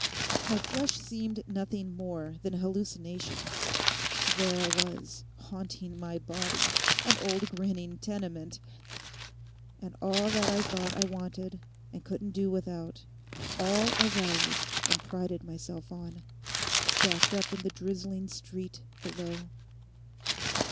My flesh seemed nothing more than an hallucination: there I was, haunting my body, an old grinning tenement, and all that I thought I wanted, and couldn't do without, all I valued and prided myself on—stacked up in the drizzling street below.